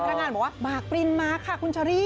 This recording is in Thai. พนักงานบอกว่ามากฟรินมากค่ะครูนชะรี่